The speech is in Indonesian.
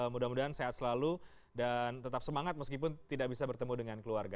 mudah mudahan sehat selalu dan tetap semangat meskipun tidak bisa bertemu dengan keluarga